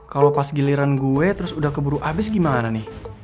kalau pas giliran gue terus udah keburu abis gimana nih